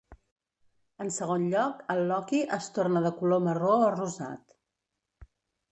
En segon lloc, el loqui es torna de color marró o rosat.